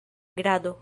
grado